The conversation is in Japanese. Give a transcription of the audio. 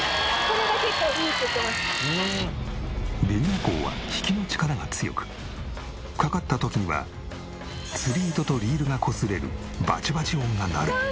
ベニアコウは引きの力が強くかかった時には釣り糸とリールがこすれるバチバチ音が鳴る。